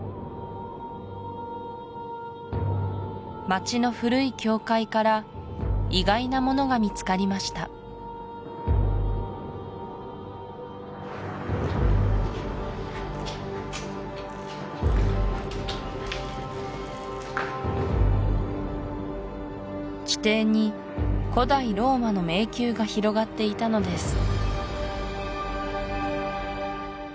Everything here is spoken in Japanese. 街の古い教会から意外なものが見つかりました地底に古代ローマの迷宮が広がっていたのです